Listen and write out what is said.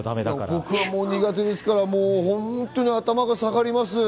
僕は苦手ですから、本当に頭が下がります。